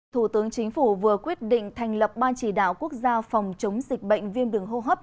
thủ tướng chính phủ vừa quyết định thành lập ban chỉ đạo quốc gia phòng chống dịch bệnh viêm đường hô hấp